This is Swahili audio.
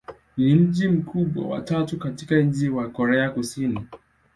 Ni mji mkubwa wa tatu katika nchi wa Korea Kusini.